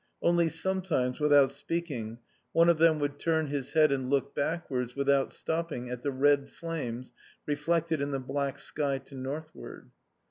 Only sometimes, without speaking, one of them would turn his head and look backwards, without stopping, at the red flames reflected in the black sky to northward.